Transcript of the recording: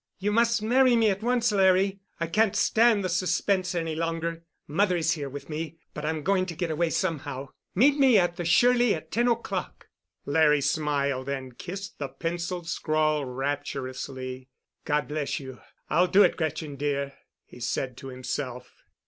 You must marry me at once, Larry. I can't stand the suspense any longer. Mother is here with me, but I'm going to get away somehow. Meet me at the Shirley at ten o'clock." Larry smiled and kissed the penciled scrawl rapturously. "God bless you, I'll do it—Gretchen, dear," he said to himself.